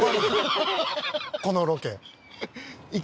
このロケ。